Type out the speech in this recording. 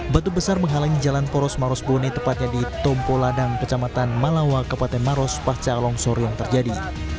batu besar menghalangi jalan poros maros boneh tepatnya di tompoladang kecamatan malawa kepaten maros pahcaalongsor yang terjadi